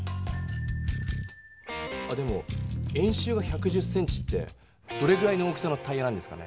あでも円周が１１０ｃｍってどれぐらいの大きさのタイヤなんですかね？